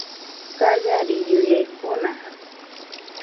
Kallariyuyaykuna